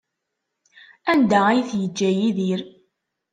Anda ay t-yeǧǧa Yidir?